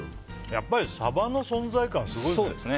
やっぱりサバの存在感すごいですね。